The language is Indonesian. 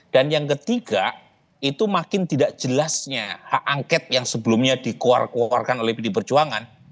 dan yang ketiga itu makin tidak jelasnya hak angket yang sebelumnya dikuarkuarkan oleh pdi perjuangan